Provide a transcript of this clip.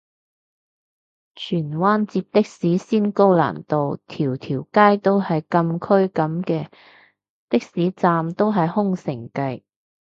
荃灣截的士先高難度，條條街都係禁區噉嘅？的士站都係空城計